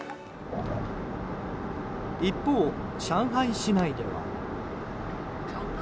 一方、上海市内では。